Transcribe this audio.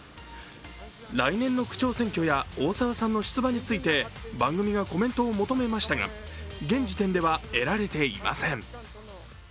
来年の区長選挙や大沢さんの出馬について番組がコメントを求めましたが現時点では得られていません。